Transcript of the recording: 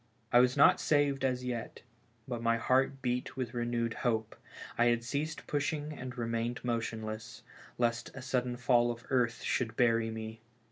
I was not saved as yet, but my heart beat with re newed hope. I had ceased pushing and remained motionless, lest a sudden fall of earth should bury me.